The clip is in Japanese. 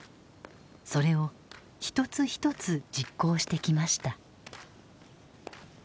それを一つ一つ実行してきました。